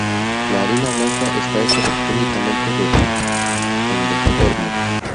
La harina blanca está hecha únicamente de endospermo.